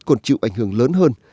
còn chịu ảnh hưởng lớn hơn